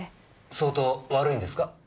相当悪いんですか？